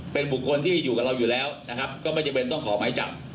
เป็นบุคคลที่อยู่กับเราอยู่แล้วนะครับก็ไม่จำเป็นต้องขอหมายจับ